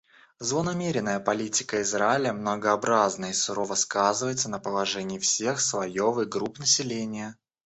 Злонамеренная политика Израиля многообразна и сурово сказывается на положении всех слоев и групп населения.